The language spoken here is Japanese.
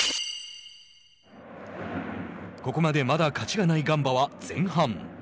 ここまでまだ勝ちがないガンバは前半。